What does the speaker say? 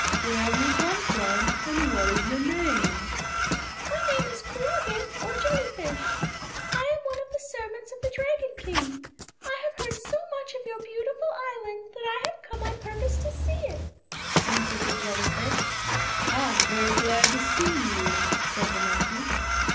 Where have you come from and what is your name?" "My name is kurage or jellyfish. I am one of the servants of the Dragon King. I have heard so much of your beautiful island that I have come on purpose to see it," answered the jellyfish. "I am very glad to see you," said the monkey.